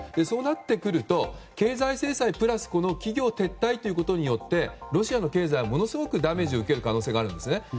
そうなってくると経済制裁プラス企業撤退ということによってロシアの経済はものすごくダメージを受ける可能性があるんですね。